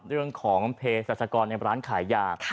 เรื่องของเพศรัชกรในร้านขายยา